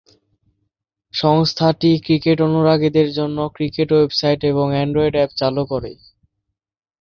সংস্থাটি ক্রিকেট অনুরাগীদের জন্য ক্রিকেট ওয়েবসাইট এবং অ্যান্ড্রয়েড অ্যাপ চালু করে।